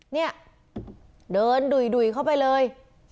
เนี่ยเดินดุยเข้าไปเลย